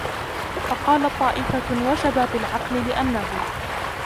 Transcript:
فَقَالَتْ طَائِفَةٌ وَجَبَ بِالْعَقْلِ ؛ لِأَنَّهُ